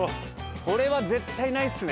これは絶対ないっすね